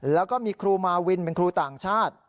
แล้วก็มีครูมาวินเป็นครูต่างชาติ